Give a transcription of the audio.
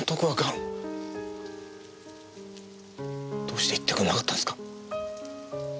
どうして言ってくれなかったんですか？